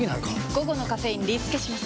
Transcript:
午後のカフェインリスケします！